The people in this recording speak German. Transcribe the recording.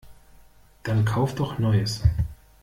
Dann Kauf doch Neues!